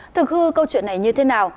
thực hư câu chuyện này như thế nào